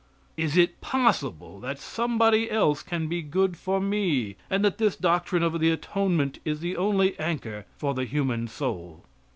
Is it possible that somebody else can be good for me, and that this doctrine of the atonement is the only anchor for the human soul?